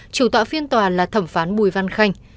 chủ tọa phiên tòa là thẩm phán bùi văn khanh